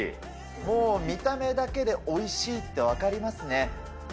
もう見た目だけでおいしいって分かりますね。